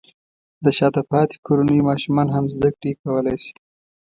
د شاته پاتې کورنیو ماشومان هم زده کړې کولی شي.